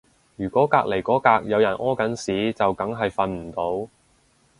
如果隔離嗰格有人屙緊屎就梗係瞓唔到